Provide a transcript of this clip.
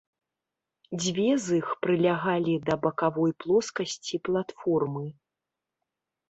Дзве з іх прылягалі да бакавой плоскасці платформы.